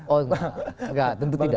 oh enggak tentu tidak